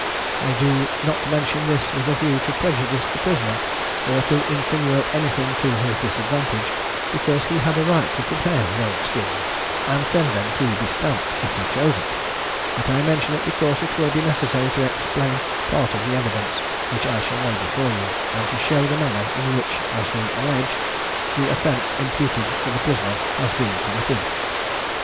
I do not mention this with a view to prejudice the prisoner, or to insinuate anything to his disadvantage, because he had a right to prepare his own skins, and send them to be stamped, if he chose it; but I mention it because it will be necessary to explain part of the evidence which I shall lay before you, and to show the manner in which (as we allege) the offence imputed to the prisoner has been committed.